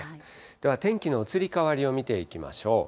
では天気の移り変わりを見ていきましょう。